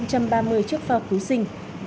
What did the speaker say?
ba ba mươi chiếc phao cứu sinh